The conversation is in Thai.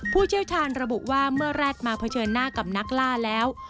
ผู้เชี่ยวชาญระบุว่าเมื่อแรกมาเผชิญหน้ากับนักล่าแล้ว